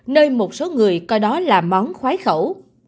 nơi một số người coi đó là món khoái khẩu